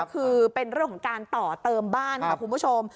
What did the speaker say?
คือเป็นเรื่องของการต่อเติมบ้านค่ะคุณผู้ชม